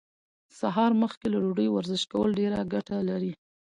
سهار مخکې له ډوډۍ ورزش کول ډيره ګټه لري.